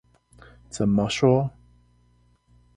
怎麼說？